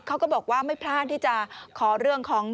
เขาก็บอกว่าไม่พลาดที่จะขอเรื่องของ